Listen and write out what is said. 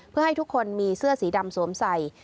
เพื่อให้ทุกคนมีเสื้อสีดำสวมใส่